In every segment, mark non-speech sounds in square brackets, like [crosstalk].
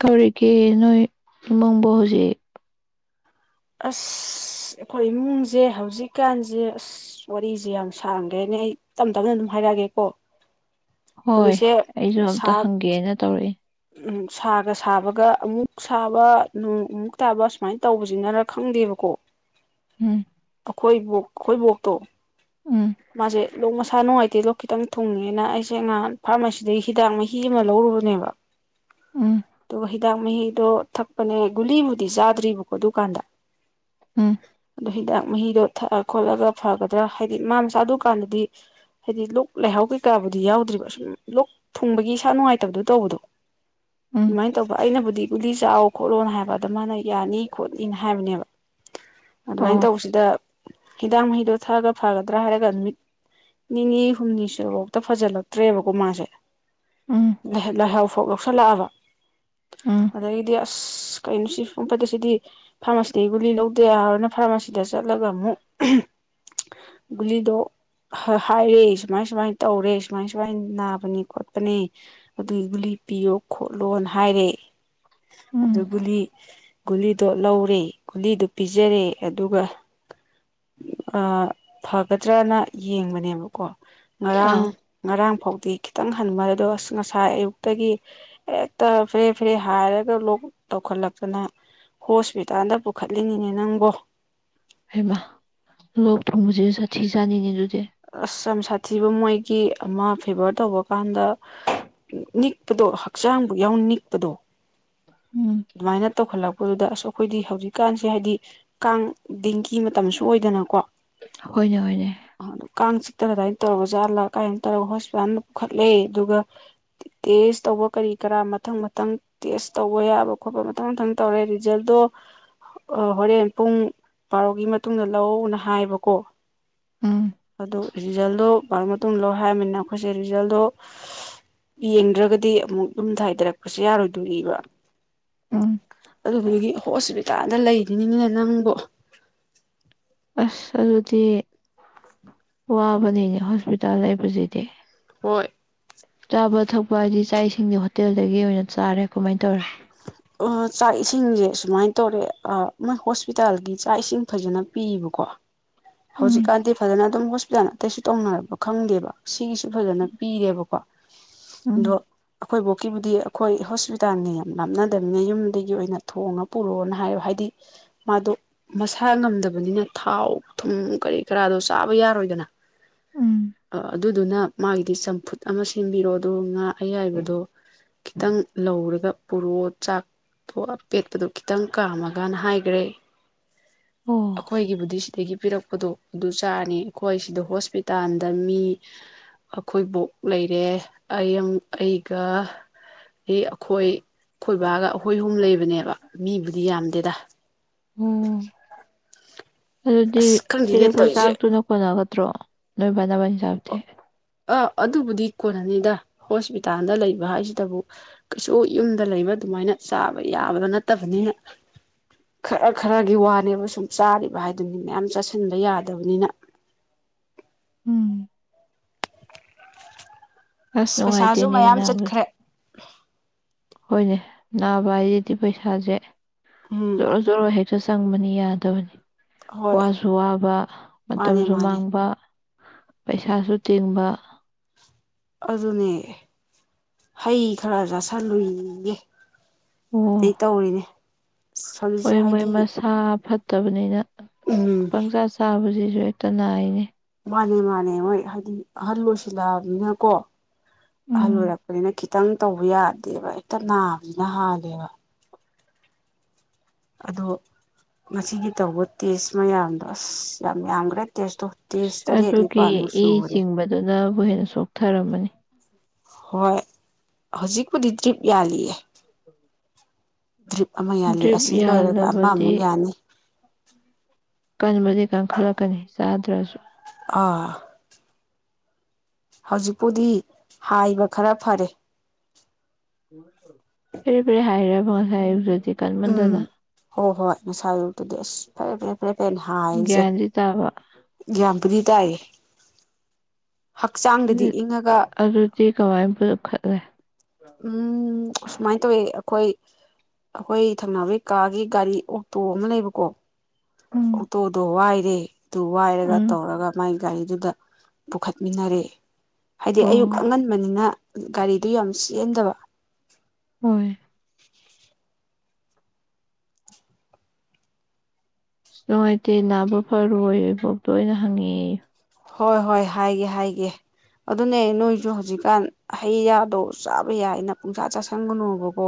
ꯀꯔꯤꯒꯤꯟ ꯅꯣꯏ ꯃꯪꯕ ꯍꯧꯖꯤꯛ ꯑꯁ ꯑꯩꯈꯣꯏ ꯏꯃꯨꯡꯁꯦ ꯍꯧꯖꯤꯛꯀꯥꯟꯁꯦ ꯑꯁ ꯋꯥꯔꯤꯁꯦ ꯌꯥꯝ ꯁꯥꯡꯈ꯭ꯔꯦꯅꯦ ꯑꯩ ꯇꯞ ꯇꯞꯅ ꯑꯗꯨꯝ ꯍꯥꯏꯔꯛꯑꯥꯒꯦꯀꯣ ꯍꯣꯏ ꯍꯧꯖꯤꯛꯁꯦ ꯑꯩꯁꯨ ꯁꯥ ꯑꯝꯇ ꯍꯪꯒꯦꯅ ꯇꯧꯔꯛꯏ ꯁꯥꯒ ꯁꯥꯕꯒ ꯑꯃꯨꯛ ꯁꯥꯕ ꯅꯣꯡ ꯑꯃꯨꯛ ꯇꯥꯕ ꯁꯨꯃꯥꯏꯅ ꯇꯧꯕꯁꯤꯅꯔ ꯈꯪꯗꯦꯕꯀꯣ ꯎꯝ ꯑꯩꯈꯣꯏ ꯕꯣꯛ ꯑꯩꯈꯣꯏ ꯕꯣꯛꯇꯣ ꯎꯝ ꯃꯥꯁꯦ ꯂꯣꯛ ꯃꯁꯥ ꯅꯨꯡꯉꯥꯏꯇꯦ ꯂꯣꯛ ꯈꯤꯇꯪ ꯊꯨꯡꯉꯦꯅ ꯑꯩ ꯇꯁꯦꯡꯅ ꯐꯥꯔꯃꯥꯁꯤꯗꯒꯤ ꯍꯤꯗꯥꯛ ꯃꯍꯤ ꯑꯃ ꯂꯧꯔꯨꯕꯅꯦꯕ ꯎꯝ ꯇꯨꯒ ꯍꯤꯗꯥꯛ ꯃꯍꯤꯗꯣ ꯊꯛ ꯄꯅꯦ ꯒꯨꯂꯤꯕꯨꯗꯤ ꯆꯥꯗ꯭ꯔꯤꯕꯀꯣ ꯑꯗꯨꯀꯥꯟꯗ ꯎꯝ ꯑꯗꯣ ꯍꯤꯗꯥꯛ ꯃꯍꯤꯗꯣ ꯊꯛꯑꯒ ꯈꯣꯠꯂꯒ ꯐꯒꯗ꯭ꯔꯥ ꯍꯥꯏ ꯍꯥꯏꯗꯤ ꯃꯥ ꯃꯁꯥ ꯑꯗꯨ ꯀꯥꯟꯗꯗꯤ ꯍꯥꯏꯗꯤ ꯂꯣꯛ ꯂꯩꯍꯥꯎ ꯀꯩꯀꯥꯕꯨꯗꯤ ꯌꯥꯎꯗ꯭ꯔꯤꯕ ꯁꯨꯝ ꯂꯣꯛ ꯊꯨꯡꯕꯒꯤ ꯏꯁꯥ ꯅꯨꯡꯉꯥꯏꯇꯕꯗꯨ ꯇꯧꯕꯗꯣ ꯎꯝ ꯑꯗꯨꯃꯥꯏꯅ ꯇꯧꯕ ꯑꯩꯅꯕꯨꯗꯤ ꯒꯨꯂꯤ ꯆꯥꯎ ꯈꯣꯠꯂꯣꯅ ꯍꯥꯏꯕ ꯃꯥꯅ ꯌꯥꯅꯤ ꯈꯣꯠꯅꯤꯅ ꯍꯥꯏꯕꯅꯦꯕ ꯑꯣ ꯑꯗꯨꯃꯥꯏꯅ ꯇꯧꯕꯁꯤꯗ ꯍꯤꯗꯥꯛ ꯃꯍꯤꯗꯣ ꯊꯥꯛꯑꯒ ꯐꯒꯗ꯭ꯔꯥ ꯍꯥꯏꯔꯒ ꯅꯃꯠ ꯅꯤꯅꯤ ꯍꯨꯝꯅꯤ ꯁꯨꯔꯐꯥꯎꯗ ꯐꯖꯤꯜꯂꯛꯇ꯭ꯔꯦꯕꯀꯣ ꯃꯥꯁꯦ ꯎꯝ ꯂ ꯂꯥꯏꯍꯧ ꯊꯣꯛ ꯂꯧꯁꯜꯂꯛꯑꯕ ꯎꯝ ꯑꯗꯩꯗꯤ ꯑꯁ ꯀꯩꯅꯣ ꯁꯤ ꯁꯨꯝ ꯐꯠꯇꯦ ꯁꯤꯗꯤ ꯐꯥꯔꯃꯥꯁꯤꯗꯒꯤ ꯒꯨꯂꯤ ꯂꯧꯗꯥꯌꯥꯔꯥꯔꯣꯅ ꯐꯥꯔꯃꯥꯁꯤꯗ ꯆꯠꯂꯒ ꯑꯃꯨꯛ ꯒꯨꯂꯤꯗꯣ ꯍꯥ ꯍꯥꯏꯔꯦ ꯁꯨꯃꯥꯏ ꯁꯨꯃꯥꯏꯅ ꯇꯧꯔꯦ ꯁꯨꯃꯥꯏ ꯁꯨꯃꯥꯏ ꯅꯥꯕꯅꯤ ꯈꯣꯠꯄꯅꯤ ꯑꯗꯨꯒꯤ ꯒꯨꯂꯤ ꯄꯤꯌꯣ ꯈꯣꯠꯂꯣꯅ ꯍꯥꯏꯔꯦ ꯎꯝ ꯑꯗꯨ ꯒꯨꯂꯤ ꯒꯨꯂꯤꯗꯣ ꯂꯧꯔꯦ ꯒꯨꯂꯤꯗꯣ ꯄꯤꯖꯔꯦ ꯑꯗꯨꯒ ꯑꯥ ꯐꯒꯗ꯭ꯔꯥꯅ ꯌꯦꯡꯕꯅꯦꯕꯀꯣ ꯉꯔꯥꯡ ꯑꯥ ꯉꯔꯥꯡ ꯐꯥꯎꯗꯤ ꯈꯤꯇꯪ ꯍꯟꯕ ꯑꯗꯣ ꯑꯁ ꯉꯁꯥꯏ ꯑꯌꯨꯛꯇꯒꯤ ꯍꯦꯛꯇ ꯐꯦꯔꯦ ꯐꯦꯔꯦ ꯍꯥꯏꯔꯒ ꯂꯣꯛ ꯇꯧꯈꯠꯂꯛꯇꯅ ꯍꯣꯁꯄꯤꯇꯥꯜꯗ ꯄꯨꯈꯠꯂꯤꯅꯤꯅꯦ ꯅꯪꯕꯣ ꯍꯩꯃꯥ ꯂꯣꯛ ꯊꯨꯡꯕꯕꯖꯤꯖꯨ ꯁꯥꯊꯤ ꯖꯥꯅꯤꯅꯦ ꯑꯗꯨ ꯑꯁ ꯌꯥꯝ ꯁꯥꯊꯤꯕ ꯃꯣꯏꯒꯤ ꯑꯃ ꯐꯦꯚꯔ ꯇꯧꯕ ꯀꯥꯟꯗ ꯅꯤꯛꯄꯗꯣ ꯍꯛꯆꯥꯡꯕꯨ ꯌꯥꯎꯅ ꯅꯤꯛꯄꯗꯣ ꯎꯝ ꯑꯗꯨꯃꯥꯏꯅ ꯇꯧꯈꯠꯂꯛꯄꯗꯨꯗ ꯑꯁ ꯑꯩꯈꯣꯏꯗꯤ ꯍꯧꯖꯤꯛꯀꯥꯟꯁꯦ ꯍꯥꯏꯗꯤ ꯀꯥꯡ ꯗꯦꯡꯒꯤ ꯃꯇꯝꯁꯨ ꯑꯣꯏꯗꯅꯀꯣ ꯍꯣꯏꯅꯦ ꯍꯣꯏꯅꯦ ꯃꯥꯗꯣ ꯀꯥꯡ ꯆꯤꯛꯇꯅ ꯑꯗꯨꯃꯥꯏꯅ ꯇꯧꯔ ꯖꯥꯠꯂ ꯀꯥꯏꯅ ꯇꯧꯔꯒ ꯍꯣꯁꯄꯤꯇꯥꯜꯗ ꯄꯨꯈꯠꯂꯦ ꯑꯗꯨꯒ ꯇꯦꯁ ꯇꯧꯕ ꯀꯔꯤ ꯀꯔꯥ ꯃꯊꯪ ꯃꯊꯪ ꯇꯦꯁ ꯇꯧꯕ ꯌꯥꯕ ꯈꯣꯠꯄ ꯃꯊꯪ ꯃꯊꯪ ꯇꯧꯔꯦ ꯔꯤꯖꯜꯗꯣ ꯍꯣꯔꯦꯟ ꯄꯨꯡ ꯕꯥꯔꯣꯒꯤ ꯃꯇꯨꯡꯗ ꯂꯧꯅ ꯍꯥꯏꯕꯀꯣ ꯎꯝ ꯑꯗꯣ ꯔꯤꯖꯜꯗꯣ ꯕꯥꯔꯣ ꯃꯇꯨꯡ ꯂꯧ ꯍꯥꯏꯔꯝꯅꯤꯅ ꯑꯩꯈꯣꯏꯁꯦ ꯔꯤꯖꯜꯗꯣ ꯌꯦꯡꯗ꯭ꯔꯒꯗꯤ ꯑꯃꯨꯛ ꯌꯨꯝ ꯗ ꯍꯥꯏꯗꯔꯛꯄꯁꯨ ꯌꯥꯔꯣꯏꯗꯣꯔꯤꯕ ꯎꯝ ꯑꯗꯨꯗꯨꯒꯤ ꯍꯣꯁꯄꯤꯇꯥꯜꯗ ꯂꯩ ꯎꯅꯤꯡꯉꯦ ꯅꯪꯕꯣ ꯑꯁ ꯑꯗꯨꯗꯤ ꯋꯥꯕꯅꯤꯅꯦ ꯍꯣꯁꯄꯤꯇꯥꯜ ꯂꯩꯕꯖꯤꯗꯤ ꯍꯣꯏ ꯆꯥꯕ ꯊꯛꯄ ꯍꯥꯏꯗꯤ ꯏꯥꯛ ꯏꯁꯤꯡꯗꯤ ꯍꯣꯇꯦꯜꯗꯒꯤ ꯑꯣꯏꯅ ꯆꯥꯔꯦ ꯀꯃꯥꯏ ꯇꯧꯔꯦ ꯑ ꯆꯥꯛ ꯏꯁꯤꯡꯖꯦ ꯁꯨꯃꯥꯏꯅ ꯇꯧꯔꯦ ꯃꯣꯏ ꯍꯣꯁꯄꯤꯇꯥꯜꯒꯤ ꯆꯥꯛ ꯏꯁꯤꯡ ꯐꯖꯅ ꯄꯤꯕꯀꯣ ꯎꯝ ꯍꯧꯖꯤꯛꯀꯥꯟꯗꯤ ꯐꯖꯅ ꯑꯗꯨꯝ ꯍꯣꯁꯄꯤꯇꯥꯜ ꯑꯇꯩꯩꯁꯨ ꯇꯧꯅꯔꯕ ꯈꯪꯗꯦꯕ ꯁꯤꯒꯤꯁꯨ ꯐꯖꯅ ꯄꯤꯔꯦꯕꯀꯣ ꯑꯗꯣ ꯎꯝ ꯑꯩꯈꯣꯏꯕꯣꯛꯀꯤꯕꯨꯗꯤ ꯑꯩꯈꯣꯏ ꯍꯣꯁꯄꯤꯇꯥꯜꯅꯤ ꯂꯥꯞꯅꯗꯕꯅꯤꯅ ꯌꯨꯝꯗꯒꯤ ꯑꯣꯏꯅ ꯊꯣꯡꯉ ꯄꯨꯔꯣꯑꯅ ꯍꯥꯏꯕ ꯍꯥꯏꯗꯤ ꯃꯥꯗꯣ ꯃꯁꯥ ꯉꯝꯗꯕꯅꯤꯅ ꯊꯥꯎ ꯊꯨꯝ ꯀꯔꯤ ꯀꯔꯥꯗꯣ ꯆꯥꯕ ꯌꯥꯔꯣꯏꯗꯅ ꯎꯝ ꯑ ꯑꯗꯨꯗꯨꯅ ꯃꯥꯒꯤꯗꯤ ꯆꯝꯐꯨꯠ ꯑꯃ ꯁꯦꯝꯕꯤꯔꯣ ꯑꯗꯨꯒ ꯉꯥ ꯑꯌꯥꯏꯕꯗꯣ ꯈꯤꯇꯪ ꯂꯧꯔꯒ ꯄꯨꯔꯣ ꯆꯥꯛꯇꯣ ꯑꯄꯦꯠꯄꯗꯣ ꯈꯤꯇꯪ ꯀꯥꯝꯃꯒꯅ ꯍꯥꯏꯒ꯭ꯔꯦ ꯑꯣ ꯑꯩꯈꯣꯏꯒꯤꯕꯨꯗꯤ ꯁꯤꯗꯒꯤ ꯄꯤꯔꯛꯄꯗꯣ ꯑꯗꯨ ꯆꯥꯔꯅꯤ ꯑꯩꯈꯣꯏ ꯁꯤꯗ ꯍꯣꯁꯄꯤꯇꯥꯜꯗ ꯃꯤ ꯑꯩꯈꯣꯏꯕꯣꯛ ꯂꯩꯔꯦ ꯑꯩ ꯑꯃ ꯑꯩꯒ ꯑꯩ ꯑꯩꯈꯣꯏ ꯑꯩꯈꯣꯏ ꯕꯥꯒ ꯑꯩꯈꯣꯏ ꯑꯍꯨꯝ ꯂꯩꯕꯅꯦꯕ ꯃꯤꯕꯨꯗꯤ ꯌꯥꯝꯗꯦꯗ ꯎꯝ ꯑꯗꯨꯗꯤ ꯑꯁ ꯈꯪꯗꯦꯅꯦ ꯄꯤꯔꯛꯄ ꯇꯧꯔꯤꯁꯦ ꯆꯥꯛꯇꯨꯅ ꯀꯣꯟꯅꯒꯗ꯭ꯔꯣ ꯅꯣꯏ ꯕꯥ ꯅꯕꯥꯟꯅꯤ ꯆꯥꯛꯇꯤ ꯑ ꯑꯗꯨꯕꯨꯗꯤ ꯀꯣꯟꯅꯅꯤꯗ ꯍꯣꯁꯄꯤꯇꯥꯟꯗ ꯂꯩꯕ ꯍꯥꯏꯖꯤꯗꯕꯨ ꯀꯩꯁꯨ ꯌꯨꯝꯗ ꯂꯩꯕ ꯑꯗꯨꯃꯥꯏꯅ ꯆꯥꯕ ꯌꯥꯕꯗ ꯅꯠꯇꯕꯅꯤꯅ ꯈꯔ ꯈꯔꯒꯤ ꯋꯥꯅꯦꯕ ꯁꯨꯝ ꯆꯥꯔꯤꯕ ꯍꯥꯏꯗꯨꯅꯤ ꯃꯌꯥꯝ ꯆꯥꯁꯤꯟꯕ ꯌꯥꯗꯕꯅꯤꯅ ꯎꯝ ꯑꯁ ꯄꯩꯁꯥꯖꯨ ꯅꯨꯡꯉꯥꯏꯇꯦꯅꯦ ꯃꯌꯥꯝ ꯅꯥꯕꯗꯣ ꯆꯠꯈ꯭ꯔꯦ ꯍꯣꯏꯅꯦ ꯅꯥꯕ ꯍꯥꯏꯖꯤꯗꯤ ꯄꯩꯁꯥꯖꯦ ꯎꯝ ꯖꯣꯔꯣ ꯖꯣꯔꯣ ꯍꯦꯛꯇ ꯆꯪꯕꯅꯤ ꯌꯥꯗꯕꯅꯤ ꯍꯣꯏ ꯋꯥꯁꯨ ꯋꯥꯕ ꯃꯥꯅꯦ ꯃꯇꯝꯁꯨ ꯃꯥꯅꯦ ꯃꯥꯡꯕ ꯄꯩꯁꯥꯁꯨ ꯇꯤꯡꯕ ꯑꯗꯨꯅꯦ ꯍꯩ ꯈꯔ ꯆꯥꯁꯤꯜꯂꯨꯏꯌꯦꯌꯦ ꯑꯗꯩ ꯑꯣ ꯇꯧꯔꯤꯅꯦ ꯍꯧꯖꯤꯛꯁꯦ ꯍꯣꯏ ꯃꯣꯏ ꯍꯥꯏꯗꯤ ꯃꯁꯥ ꯐꯠꯇ ꯐꯠꯇꯕꯅꯤꯅ ꯎꯝ ꯄꯪꯆꯥ ꯆꯥꯕꯁꯤ ꯁꯨ ꯍꯦꯛꯇ ꯅꯥꯏꯅꯦ ꯃꯥꯅꯦ ꯃꯥꯅꯦ ꯃꯣꯏ ꯍꯥꯏꯗꯤ ꯑꯍꯜ ꯑꯣꯏꯁꯤꯜꯂꯛꯑꯕꯅꯤꯅꯀꯣ ꯑꯍꯜ ꯎꯝ ꯑꯣꯢꯔꯛꯄꯅꯤꯅ ꯈꯤꯇꯪ ꯈꯤꯇꯪ ꯇꯧꯕ ꯌꯥꯗꯦꯕ ꯍꯦꯛꯇ ꯅꯥꯕꯅꯤꯅ ꯍꯥꯜꯂꯦꯕ ꯑꯗꯣ ꯉꯁꯤꯒꯤ ꯇꯧꯕ ꯇꯦꯁ ꯃꯌꯥꯝꯗꯣ ꯑꯁ ꯌꯥꯝ ꯌꯥꯝꯒ꯭ꯔꯦ ꯑꯗꯨꯒꯤ ꯏ ꯁꯨꯕꯅꯦ ꯆꯤꯡꯕꯗꯨꯅ ꯕꯨ ꯍꯦꯟꯅ ꯁꯣꯛꯊꯔꯝꯃꯅꯤ ꯍꯣꯏ ꯍꯧꯖꯤꯛꯄꯨꯗꯤ ꯗ꯭ꯔꯤꯞ ꯌꯥꯜꯂꯤꯑꯦ ꯗ꯭ꯔꯤꯞ ꯑꯃ ꯌꯥꯜꯂꯤ ꯗ꯭ꯔꯤꯞ ꯑꯁꯤ ꯂꯣꯏꯔꯒ ꯌꯥꯜꯂꯕꯗꯤ ꯑꯃꯃꯨꯛ ꯌꯥꯟꯅꯤ ꯀꯟꯕꯗꯤ ꯀꯟ ꯈꯜꯂꯛꯀꯅꯤ ꯆꯥꯗ꯭ꯔꯁꯨ ꯑꯥ ꯍꯧꯖꯤꯛꯄꯨꯗꯤ ꯍꯥꯏꯕ ꯈꯔ ꯐꯔꯦ ꯐꯦꯔꯦ ꯐꯦꯔꯦ ꯍꯥꯏꯔꯥꯕ ꯉꯁꯥꯢ ꯎꯝ ꯍꯣꯏ ꯍꯣꯏ ꯉꯁꯥꯢ ꯑꯌꯨꯛꯇꯗꯤ ꯑꯁ ꯐꯔꯦ ꯐꯔꯦ ꯐꯔꯦꯅ ꯍꯥꯏꯔꯤꯁꯦ ꯒ꯭ꯌꯥꯟꯗꯤ ꯇꯥꯕ ꯒ꯭ꯌꯥꯟꯕꯨꯗꯤ ꯇꯥꯢꯌꯦ ꯑꯗꯨꯗꯤ ꯆꯦ ꯀꯥꯃꯏ ꯄꯨꯈꯠꯂꯦ ꯎꯝ ꯑꯁꯨꯃꯥꯏꯅ ꯇꯧꯋꯦ ꯑꯩꯈꯣꯏ ꯑꯩꯈꯣꯏ ꯊꯪꯅꯕꯒꯤ ꯀꯥꯒꯤ ꯒꯥꯔꯤ ꯑꯣꯛꯇꯣ ꯑꯃ ꯂꯩꯕꯀꯣ ꯎꯝ ꯑꯣꯇꯣꯗꯣ ꯋꯥꯏ ꯔꯦ ꯇꯨ ꯋꯥꯏꯔꯒ ꯎꯝ ꯇꯧꯔꯒ ꯃꯥꯏ ꯒꯥꯔꯤꯗꯨꯗ ꯄꯨꯈꯠꯃꯤꯟꯅꯔꯦ ꯍꯥꯏꯗꯤ ꯑꯌꯨꯛ ꯑꯣ ꯑꯉꯟꯕꯅꯤꯅ ꯒꯥꯔꯤꯗꯨ ꯌꯥꯝ ꯆꯦꯟꯗꯕ ꯍꯣꯏ [inaudible] ꯑꯁ ꯅꯨꯡꯉꯥꯏꯇꯦ ꯅꯥꯕ ꯐꯔꯣꯌꯣ ꯏꯕꯣꯛꯇꯣ ꯑꯩꯅ ꯍꯪꯉꯛꯑꯦꯌꯣ ꯍꯣꯏ ꯍꯣꯏ ꯍꯥꯏꯒꯦ ꯍꯥꯏꯒꯦ ꯑꯗꯨꯅꯦ ꯅꯣꯏꯁꯨ ꯍꯧꯖꯤꯛꯀꯥꯟ ꯍꯩ ꯔꯥꯗꯣ ꯆꯥꯕ ꯌꯥꯏꯅ ꯄꯨꯡꯆꯥ ꯆꯥꯁꯟꯒꯅꯨꯕꯀꯣ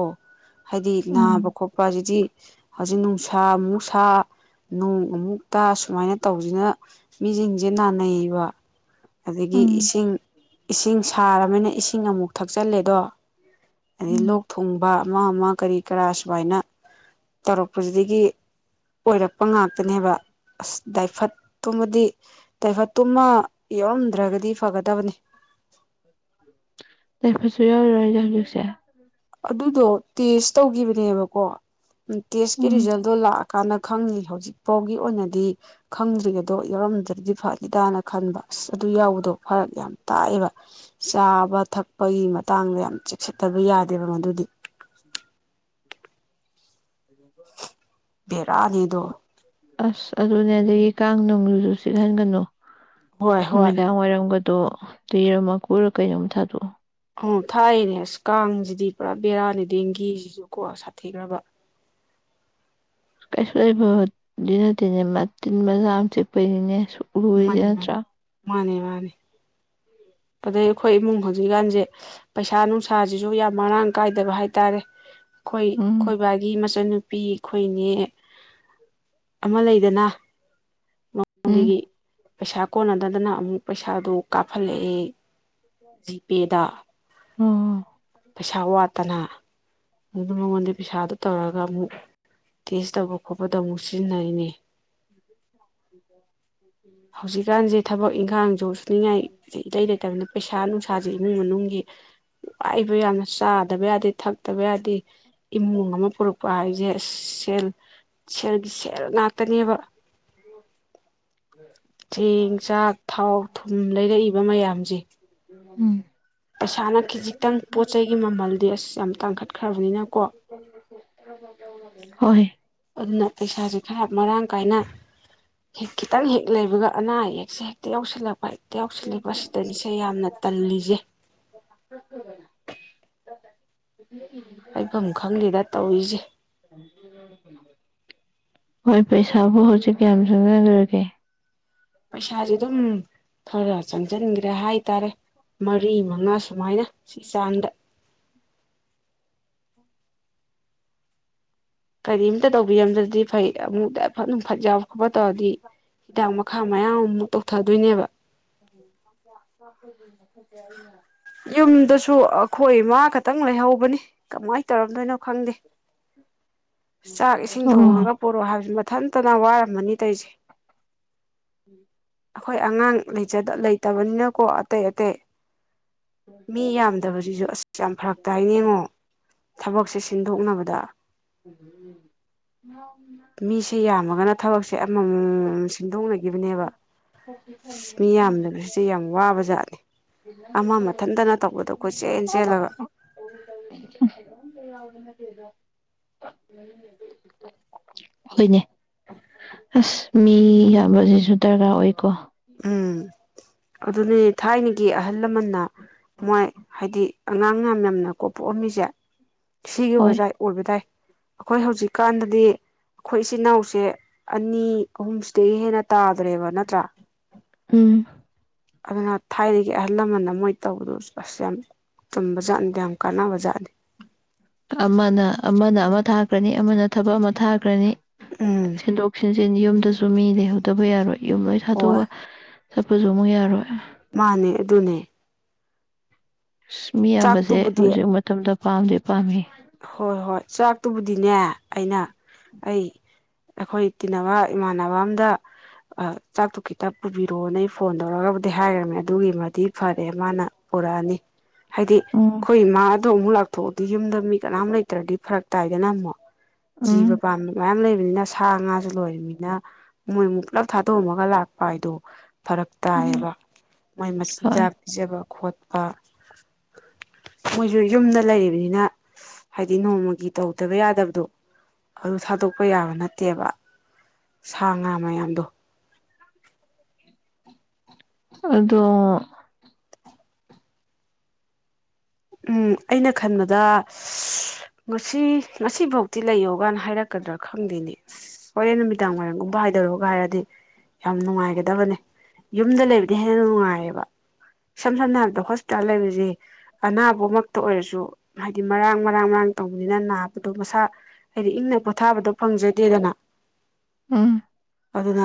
ꯍꯥꯏꯗꯤ ꯅꯥꯕ ꯎꯝ ꯈꯣꯠꯄ ꯁꯤꯗꯤ ꯍꯧꯖꯤꯛ ꯅꯨꯡꯁꯥ ꯑꯃꯨꯛ ꯁꯥ ꯅꯣꯡ ꯑꯃꯨꯛ ꯇꯥ ꯁꯨꯃꯥꯏꯅ ꯇꯧꯕꯁꯤꯅ ꯃꯤꯁꯤꯡꯁꯦ ꯅꯥꯅ ꯅꯩꯕ ꯑꯗꯒꯤ ꯎꯝ ꯏꯁꯤꯡ ꯏꯁꯤꯡ ꯁꯥꯔꯕꯅꯤꯅ ꯏꯁꯤꯡ ꯏꯁꯤꯡ ꯑꯃꯨꯛ ꯊꯛꯆꯜꯂꯦꯗꯣ ꯑꯩ ꯎꯝ ꯂꯣꯛ ꯊꯨꯡꯕ ꯑꯃ ꯑꯃ ꯀꯔꯤ ꯀꯔꯥ ꯁꯨꯃꯥꯏꯅ ꯇꯧꯔꯛꯄꯁꯤꯗꯒꯤ ꯑꯣꯏꯔꯛꯄ ꯉꯥꯛꯇꯅꯦꯕ ꯑꯁ ꯗꯥꯏꯐꯠꯇꯣꯕꯗꯤ ꯇꯥꯏꯐꯠꯇꯨꯃ ꯌꯥꯎꯔꯝꯗ꯭ꯔꯒꯗꯤ ꯐꯒꯗꯕꯅꯤ ꯇꯥꯏꯐꯠꯁꯨ ꯌꯥꯎꯔꯤꯔꯣ ꯍꯥꯢꯁꯦ ꯍꯧꯖꯤꯛꯁꯦ ꯑꯗꯨꯗꯣ ꯇꯦꯁ ꯇꯧꯈꯤꯕꯅꯦꯕꯀꯣ ꯎꯝ ꯇꯦꯁꯀꯤ ꯎꯝ ꯔꯤꯖꯜꯗꯣ ꯂꯥꯛ ꯀꯥꯟꯅ ꯈꯪꯉꯤ ꯍꯧꯖꯤꯛꯐꯥꯎꯒꯤ ꯑꯣꯏꯅꯗꯤ ꯈꯪꯗ꯭ꯔꯤ ꯑꯗꯣ ꯌꯥꯎꯔꯝꯗ꯭ꯔꯗꯤ ꯐꯅꯤ ꯗꯅ ꯈꯟꯕ ꯑꯁ ꯑꯗꯨ ꯌꯥꯎꯕꯗꯣ ꯐꯔꯛ ꯌꯥꯝ ꯇꯥꯛꯑꯦꯕ ꯆꯥꯕ ꯊꯛꯄꯒꯤ ꯃꯇꯥꯡꯗ ꯌꯥꯝ ꯆꯦꯛꯁꯤꯟꯗꯕ ꯌꯥꯗꯦ ꯀꯅꯣꯗ ꯗꯨꯝ ꯎꯝ [inaudible] ꯕꯦꯔꯥꯅꯤꯗꯣ ꯑꯁ ꯑꯗꯨꯅꯦ ꯑꯗꯒꯤ ꯀꯥꯡ ꯅꯨꯡꯗꯨꯨꯁꯨ ꯆꯤꯛꯍꯟꯒꯅꯨ ꯍꯣꯏ ꯍꯣꯏ ꯅꯨꯃꯤꯗꯥꯡ ꯋꯥꯏꯔꯝꯒ ꯑ ꯇꯣ ꯌꯦꯔꯨꯝ ꯃꯀꯨꯔ ꯀꯩꯅꯣꯝ ꯊꯥꯗꯣꯛꯑꯣ ꯑꯣ ꯊꯥꯏꯌꯦꯅꯦ ꯑꯁ ꯀꯥꯡꯁꯤꯗꯤ ꯄꯨꯔꯥ ꯕꯦꯔꯥꯅꯦ ꯗꯦꯡꯒꯤꯁꯤꯁꯨ ꯀꯣ ꯁꯥꯊꯤꯈ꯭ꯔꯕ ꯀꯥꯏꯁꯨ ꯂꯩꯕꯗꯤ ꯅꯠꯇꯦꯅꯦ ꯃ ꯇꯤꯟ ꯃꯆꯥ ꯑꯃ ꯆꯤꯛꯄꯩꯅꯤꯅꯦ ꯂꯨꯔꯤꯁꯦ ꯃꯅꯤ ꯃꯅꯤ ꯅꯠꯇ꯭ꯔꯥ ꯃꯥꯅꯦ ꯃꯥꯅꯦ ꯑꯗꯩ ꯑꯩꯈꯣꯏ ꯏꯃꯨꯡ ꯍꯧꯖꯤꯛꯀꯥꯟꯁꯦ ꯄꯩꯁꯥ ꯅꯨꯡꯁꯥꯁꯤꯁꯨ ꯌꯥꯝ ꯃꯔꯥꯡ ꯀꯥꯏꯗꯕ ꯍꯥꯏꯇꯥꯔꯦ ꯑꯩꯈꯣꯏ ꯎꯝ ꯈꯣꯏꯕꯥꯒꯤ ꯃꯆꯟꯅꯨ ꯅꯨꯄꯤ ꯑꯩꯈꯣꯏꯒꯤ ꯑꯃ ꯂꯩꯗꯅ ꯎꯝ ꯃꯃꯥꯡꯗꯒꯤ ꯄꯩꯁꯥ ꯀꯣꯟꯅꯗꯗꯅ ꯑꯃꯨꯛ ꯄꯩꯁꯥꯗꯨ ꯀꯥꯞꯍꯜꯂꯛꯑꯦ ꯖꯤꯄꯦꯗꯥ ꯑꯥ ꯄꯩꯁꯥ ꯋꯥꯠꯇꯅ ꯑꯗꯨ ꯃꯉꯣꯟꯗꯩ ꯄꯁꯥꯗꯨ ꯇꯧꯔꯒ ꯑꯃꯨꯛ ꯇꯦꯁ ꯇꯧꯕ ꯈꯣꯠꯄꯗ ꯑꯃꯨꯛ ꯁꯤꯖꯤꯟꯅꯔꯤꯅꯦ [inaudible] ꯍꯧꯖꯤꯛꯀꯥꯟꯁꯦ ꯊꯕꯛ ꯏꯪꯈꯥꯡꯁꯨ ꯁꯨꯅꯤꯡꯉꯥꯏ ꯏꯂꯩ ꯂꯩꯇꯕꯅꯤꯅ ꯄꯩꯁꯥ ꯅꯨꯡꯁꯥꯁꯦ ꯏꯃꯨꯡ ꯃꯅꯨꯡꯒꯤ ꯋꯥꯏꯕ ꯌꯥꯝꯅ ꯆꯥꯗꯕ ꯌꯥꯗꯦ ꯊꯛ ꯇꯧꯕ ꯌꯥꯗꯦ ꯏꯃꯨꯡ ꯑꯃ ꯄꯨꯔꯛꯄ ꯍꯥꯏꯁꯦ ꯑꯁ ꯁꯦꯜ ꯁꯦꯜ ꯁꯦꯜ ꯉꯥꯛꯇꯅꯦꯕ ꯆꯦꯡ ꯆꯥꯛ ꯊꯥꯎ ꯊꯨꯝ ꯂꯩꯔꯛꯏꯕ ꯃꯌꯥꯝꯁꯦ ꯎꯝ ꯄꯩꯁꯥꯅ ꯈꯤꯖꯤꯛꯇꯪ ꯄꯣꯠ ꯆꯩꯒꯤ ꯃꯃꯜꯗꯤ ꯑꯁ ꯌꯥꯥꯝ ꯇꯥꯡꯈꯠ ꯐꯕꯅꯤꯅꯀꯣ ꯍꯣꯏ ꯄꯩꯁꯥꯁꯦ ꯈꯔ ꯃꯔꯥꯡ ꯀꯥꯏꯅ ꯍꯦꯛ ꯈꯤꯇꯪ ꯍꯦꯛ ꯂꯩꯕꯒ ꯑꯅꯥ ꯑꯌꯦꯛ ꯁꯦ ꯇꯤꯜꯧ ꯁꯤꯠꯂꯝ ꯇꯜꯂꯤꯁꯦ [unintelligible] ꯍꯥꯏꯐꯝ ꯈꯪꯗꯦꯗ ꯇꯧꯔꯤꯁꯦ ꯍꯣꯏ ꯄꯩꯁꯥꯕꯨ ꯍꯧꯖꯤꯛ ꯀꯌꯥꯝ ꯆꯪꯖꯟꯗꯧꯔꯤꯒꯦ ꯄꯩꯁꯥꯖꯦ ꯑꯗꯨꯝ ꯈꯔ ꯆꯪꯁꯟꯒ꯭ꯔꯦ ꯍꯥꯏꯇꯥꯔꯦ ꯃꯔꯤ ꯃꯉꯥ ꯁꯨꯃꯥꯏꯅ ꯁꯤ ꯆꯥꯡꯗ ꯀꯔꯤꯝꯇ ꯇꯧꯕꯤꯔꯝꯗ꯭ꯔꯗꯤ ꯐꯩ ꯑꯃꯨꯛꯇ ꯐꯠ ꯅꯨꯡ ꯐꯠ ꯌꯥꯎ ꯐꯕꯠ ꯇꯧꯔꯗꯤ ꯍꯤꯗꯥꯛ ꯃꯈꯥ ꯃꯌꯥꯝ ꯑꯃꯨꯛ ꯇꯧꯊꯗꯣꯏꯅꯦꯕ [inaudible] ꯌꯨꯝꯗꯁꯨ ꯑꯩꯈꯣꯏ ꯏꯃꯥ ꯈꯛꯇꯪ ꯂꯩꯍꯧꯕꯅꯤ ꯀꯃꯥꯏ ꯇꯧꯔꯝꯗꯣꯏꯅꯣ ꯈꯪꯗꯦ ꯆꯥꯛ ꯏꯁꯤꯡ ꯊꯣꯡꯉꯒ ꯑꯣ ꯄꯣꯔꯛꯑꯣ ꯍꯥꯏꯕꯁꯤ ꯃꯊꯟꯇ ꯃꯥ ꯋꯥꯔꯝꯃꯅꯤ ꯇꯧꯏꯁꯦ [inaudible] ꯑꯩꯈꯣꯏ ꯑꯉꯥꯡ ꯂꯩꯖꯗ ꯂꯩꯇꯕꯅꯤꯅꯀꯣ ꯑꯇꯩ ꯑꯇꯩ ꯃꯤ ꯌꯥꯝꯗꯕꯁꯤꯁꯨ ꯑꯁ ꯌꯥꯝ ꯐꯔꯛ ꯇꯥꯏꯅꯦ ꯌꯦꯡꯉꯣ ꯊꯕꯛꯁꯦ ꯁꯤꯟꯗꯣꯛꯅꯕꯗ ꯃꯤꯁꯦ ꯌꯥꯝꯃꯒꯅ ꯊꯕꯛꯁꯦ ꯑꯃꯃꯝꯃꯝꯃꯝꯃꯝ ꯁꯤꯟꯗꯣꯛꯅꯒꯤꯕꯅꯦꯕ ꯑꯁ ꯃꯤ ꯌꯥꯝꯗꯕꯁꯤꯁꯦ ꯌꯥꯝ ꯋꯥꯕꯖꯥꯠꯅꯤ ꯃꯥ ꯃꯊꯟꯇꯅ ꯇꯧꯕꯗꯣ ꯀꯣꯏꯆꯦꯟ ꯆꯦꯜꯂꯒ [inaudible] ꯍꯣꯏꯅꯦ ꯑꯁ ꯃꯤ ꯌꯥꯝꯕꯁꯤꯁꯨ ꯗꯔꯀꯥ ꯑꯣꯏꯀꯣ ꯎꯝ ꯑꯗꯨꯅꯦ ꯊꯥꯏꯅꯒꯤ ꯑꯍꯜ ꯂꯃꯟꯅ ꯃꯣꯏ ꯍꯥꯏꯗꯤ ꯑꯉꯥꯡ ꯌꯥꯝ ꯌꯥꯝꯅ ꯀꯣ ꯄꯣꯛꯑꯝꯃꯤꯁꯦ ꯁꯤꯒꯤ ꯍꯣꯏ ꯑꯣꯏꯖꯥꯏ ꯑꯣꯏꯕꯗꯥꯥꯏ ꯑꯩꯈꯣꯏ ꯍꯧꯖꯤꯛꯀꯥꯟꯗꯗꯤ ꯑꯩꯈꯣꯏ ꯏꯆꯤꯟ ꯏꯅꯥꯎꯁꯦ ꯑꯅꯤ ꯑꯍꯨꯝꯁꯤꯗꯒꯤ ꯍꯦꯟꯅ ꯇꯥꯗ꯭ꯔꯦꯕ ꯅꯠꯇ꯭ꯔꯥ ꯎꯝ ꯑꯗꯨꯅ ꯊꯥꯏꯅꯒꯤ ꯑꯍꯜ ꯂꯃꯟꯅ ꯃꯣꯏ ꯇꯧꯕꯗꯨ ꯑꯁ ꯌꯥꯝ ꯆꯨꯝꯕ ꯖꯥꯠꯅꯤꯗ ꯌꯥꯝ ꯀꯥꯟꯅꯕ ꯖꯥꯠꯅꯤ ꯑꯃꯅꯥ ꯑꯃꯅꯥ ꯑꯃ ꯊꯥꯈ꯭ꯔꯅꯤ ꯑꯃꯅ ꯊꯕꯛ ꯑꯃ ꯊꯥꯈ꯭ꯔꯅꯤ ꯎꯝ ꯁꯤꯟꯗꯣꯛ ꯁꯤꯟꯖꯤꯟ ꯌꯨꯝꯗꯨꯁꯨ ꯃꯤ ꯂꯩꯍꯧꯗꯕ ꯌꯥꯔꯣꯏ ꯌꯨꯝ ꯂꯣꯏ ꯊꯥꯗꯣꯛꯑꯒ ꯆꯠꯄꯁꯨ ꯑꯃꯨꯛ ꯌꯥꯔꯣꯏ ꯃꯥꯟꯅꯦ ꯑꯗꯨꯅꯦ ꯑꯁ ꯃꯤꯌꯥꯝꯕꯖꯦ ꯆꯥꯛꯇꯨꯕꯨꯗꯤ ꯍꯧꯖꯤꯛ ꯃꯇꯝꯗ ꯄꯥꯝꯗꯦ ꯄꯥꯝꯃꯤ ꯍꯣꯏ ꯍꯣꯏ ꯆꯥꯛꯇꯨꯕꯨ ꯗꯤꯅꯦ ꯑꯩꯅ ꯑꯩ ꯑꯩꯈꯣꯏ ꯇꯤꯟꯅꯕ ꯏꯃꯥꯟꯅꯕ ꯑꯝꯗ ꯆꯥꯛꯇꯨ ꯈꯤꯇ ꯄꯨꯕꯤꯔꯛꯑꯣꯅ ꯑꯩ ꯐꯣꯟ ꯇꯧꯔꯒꯕꯨꯗꯤ ꯍꯥꯏꯒ꯭ꯔꯃꯦ ꯑꯗꯨꯒꯤꯃꯗꯤ ꯐꯔꯦ ꯃꯥꯅ ꯄꯨꯔꯛꯑꯅꯤ ꯍꯥꯏꯗꯤ ꯎꯝ ꯈꯣꯏ ꯏꯃꯥꯗꯣ ꯑꯃꯨꯛ ꯂꯥꯛ ꯊꯣꯗꯤ ꯌꯨꯝꯗ ꯃꯤ ꯀꯅꯥꯝ ꯂꯩꯇ꯭ꯔꯗꯤ ꯐꯔꯛ ꯇꯥꯏꯗꯅ ꯃꯨꯛ ꯖꯤꯕ ꯎꯝ ꯄꯥꯟꯕ ꯃꯌꯥꯝ ꯂꯩꯕꯅꯤꯅ ꯁꯥ ꯉꯥꯖꯨ ꯂꯣꯏꯔꯤꯝꯅꯤꯅ ꯃꯣꯏꯃꯨꯛ ꯄꯨꯂꯞ ꯊꯥꯗꯣꯛꯑꯝꯃꯒ ꯂꯥꯛꯄ ꯍꯥꯏꯗꯣ ꯐꯔꯛ ꯎꯝ ꯇꯥꯏꯌꯦꯕ ꯃꯣꯏ ꯍꯣꯏ ꯃꯆꯤꯟꯖꯥꯛ ꯄꯤꯖꯕ ꯈꯣꯠ ꯑ ꯃꯣꯏꯖꯨ ꯌꯨꯝꯗ ꯂꯩꯔꯤꯕꯅꯤꯅ ꯍꯥꯏꯗꯤ ꯅꯣꯡꯃꯒꯤ ꯇꯧꯗꯕ ꯌꯥꯗꯕꯗꯣ ꯑꯗꯨ ꯊꯥꯗꯣꯛꯄ ꯌꯥꯕ ꯅꯠꯇꯦꯕ ꯁꯥ ꯉꯥ ꯃꯌꯥꯝꯗꯣ ꯑꯗꯣ ꯎꯝ ꯑꯩꯅ ꯈꯟꯕꯗ ꯉꯁꯤ ꯉꯁꯤꯕꯥꯎꯗꯤ ꯂꯩꯌꯣ ꯀꯥꯏꯅ ꯍꯥꯏꯔꯛꯀꯗ꯭ꯔꯥ ꯈꯪꯗꯦꯅꯦ ꯍꯣꯔꯦꯟ ꯅꯨꯃꯤꯗꯥꯡ ꯋꯥꯏꯔꯝꯒꯨꯝꯕ ꯍꯥꯏꯗꯔꯣꯒ ꯍꯥꯏꯔꯗꯤ ꯌꯥꯝ ꯅꯨꯡꯉꯥꯏꯒꯗꯕꯅꯦ ꯌꯨꯝꯗ ꯂꯩꯕꯗꯩ ꯍꯦꯟꯅ ꯅꯨꯡꯉꯥꯏꯌꯦꯕ ꯏꯁꯝ ꯁꯝꯅ ꯍꯥꯏꯔꯕꯗ ꯍꯣꯁꯄꯤꯇꯥꯜ ꯂꯩꯕꯖꯦ ꯑꯅꯥꯕꯃꯛꯇ ꯑꯣꯏꯔꯖꯨ ꯍꯥꯏꯗꯤ ꯃꯔꯥꯡ ꯃꯔꯥꯡ ꯃꯔꯥꯡ ꯇꯧꯕꯅꯤꯅ ꯅꯥꯕꯗꯣ ꯃꯁꯥ ꯍꯥꯏꯗꯤ ꯏꯪꯅ ꯄꯣꯊꯥꯕꯗꯣ ꯐꯪꯖꯗꯦꯗꯅ ꯎꯝ ꯑꯗꯨꯅ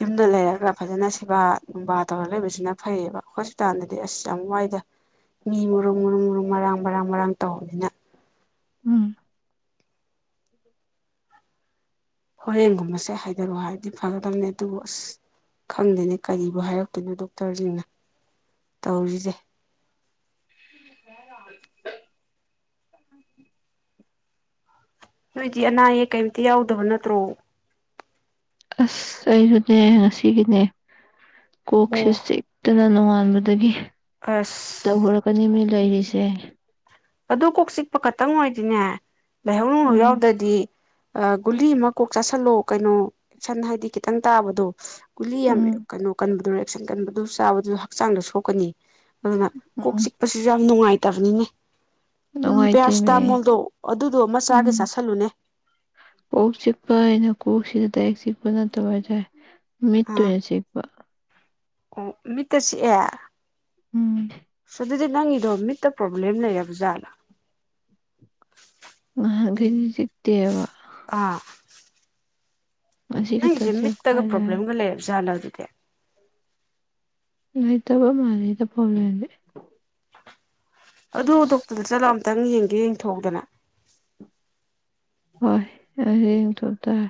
ꯌꯨꯝꯗ ꯂꯩꯔꯒ ꯐꯖꯅ ꯁꯦꯕꯥ ꯅꯨꯡꯕꯥ ꯇꯧꯔ ꯂꯩꯕꯁꯤꯅ ꯐꯩꯌꯦꯕ ꯍꯣꯁꯄꯤꯇꯥꯜꯗꯗꯤ ꯑꯁ ꯌꯥꯝ ꯋꯥꯏꯗ ꯃꯤ ꯃꯔꯨꯝ ꯃꯔꯨꯝ ꯃꯔꯨꯝ ꯃꯔꯥꯡ ꯃꯔꯥꯡ ꯃꯔꯥꯡ ꯇꯧꯕꯅꯤꯅ ꯎꯝ ꯍꯣꯔꯦꯟꯒꯨꯝꯕꯁꯦ ꯍꯥꯏꯗꯔꯛꯑꯣ ꯍꯥꯏꯕꯗꯤ ꯐꯒꯗꯕꯅꯦ ꯑꯗꯨꯕꯨ ꯑꯁ ꯈꯪꯗꯦꯅꯦ ꯀꯔꯤꯕꯨ ꯍꯥꯏꯔꯛꯇꯣꯏꯅꯣ ꯗꯣꯛꯇꯔꯖꯤꯡꯅ ꯇꯧꯔꯤꯖꯦ [unintelligible] ꯅꯣꯏꯗꯤ ꯑꯅꯥ ꯑꯌꯦꯛ ꯀꯩꯝꯇ ꯌꯥꯎꯗꯕ ꯅꯠꯇ꯭ꯔꯣ ꯑꯁ ꯑꯩꯖꯨꯅꯦ ꯉꯁꯤꯒꯤꯅꯦ ꯑꯣ ꯀꯣꯛꯁꯦ ꯆꯤꯛꯇꯅ ꯅꯣꯉꯥꯟ ꯃꯗꯒꯤ ꯑꯁ ꯇꯧꯔꯒꯅꯤ ꯃꯤ ꯂꯩꯔꯤꯁꯦ ꯑꯗꯨ ꯀꯣꯛ ꯆꯤꯛꯄ ꯈꯇꯪ ꯑꯣꯏꯗꯤꯅꯦ ꯂꯥꯏꯍꯧ ꯅꯨꯡ ꯎꯝ ꯌꯥꯎꯗ꯭ꯔꯗꯤ ꯑ ꯒꯨꯂꯤ ꯑꯃ ꯀꯣꯛ ꯆꯥꯥꯁꯜꯂꯣ ꯀꯩꯅꯣ ꯁꯟ ꯍꯥꯏꯗꯤ ꯈꯤꯇꯪ ꯇꯥꯕꯗꯣ ꯒꯨꯂꯤ ꯌꯥꯝ ꯎꯝ ꯀꯅꯣ ꯀꯟꯕꯗꯨꯔꯦ ꯑꯦꯛꯁꯟ ꯀꯟꯕꯗꯨ ꯆꯥꯕꯗꯨ ꯍꯛꯆꯥꯡꯗ ꯁꯣꯛꯀꯅꯤ ꯑꯗꯨꯅ ꯀꯣꯛ ꯎꯝ ꯆꯤꯛꯄꯁꯤꯖꯨ ꯌꯥꯝ ꯅꯨꯡꯉꯥꯏ ꯇꯕꯅꯤꯅꯦ ꯎꯝ ꯅꯨꯡꯉꯥꯏꯇꯦꯃꯦ ꯄꯤꯌꯥꯁꯇꯥꯃꯣꯜꯗꯣ ꯑꯗꯨꯗꯣ ꯑꯃ ꯆꯥꯒꯦ ꯎꯝ ꯆꯥꯥꯁꯤꯜꯂꯨꯅꯦ ꯀꯣꯛ ꯆꯤꯛꯄ ꯍꯥꯏꯅ ꯀꯣꯛꯁꯤꯗ ꯗꯥꯏꯔꯦꯛ ꯆꯤꯛꯄ ꯅꯠꯇꯕ ꯍꯥꯏꯇꯥꯔꯦ ꯑꯥ ꯃꯤꯠꯇꯨꯌꯦ ꯆꯤꯛꯄ ꯑꯣ ꯃꯤꯠꯇ ꯆꯤꯛꯑꯦ ꯎꯝ ꯑꯗꯨꯗꯤ ꯅꯪꯒꯤꯗꯣ ꯃꯤꯠꯇ ꯄ꯭ꯔꯣꯕ꯭ꯂꯦꯝ ꯂꯩꯔꯕ ꯖꯥꯠꯂ ꯅꯍꯥꯟꯒꯩꯗꯤ ꯆꯤꯛꯇꯦꯕ ꯑꯥ ꯉꯁꯤ ꯈꯛꯇ ꯅꯪꯒꯤꯁꯦ ꯆꯤꯛꯄ ꯃꯤꯠꯇꯒ ꯍꯥꯏꯇꯥꯔꯦ ꯄ꯭ꯔꯣꯕ꯭ꯂꯦꯝꯒ ꯂꯩꯔꯕ ꯖꯥꯠꯂ ꯗꯨꯗꯤ ꯂꯩꯇꯕ ꯃꯥꯂꯦꯗ ꯄ꯭ꯔꯣꯕꯂꯦꯝꯗꯤ ꯑꯗꯨ ꯗꯣꯛꯇꯔꯗ ꯆꯠꯂꯥ ꯇꯪ ꯌꯦꯡꯒꯦ ꯌꯦꯡꯊꯣꯛꯎꯗꯅ ꯍꯣꯢ ꯑꯗꯩ ꯑꯃꯨ ꯇꯣ ꯇꯥꯢ